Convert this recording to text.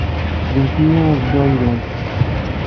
Ǧǧemt-iyi ad dduɣ yid-went.